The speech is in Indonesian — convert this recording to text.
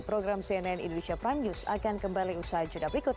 program cnn indonesia prime news akan kembali usai jeda berikut